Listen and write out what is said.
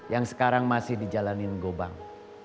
yang sekarang masih dijalanin gobang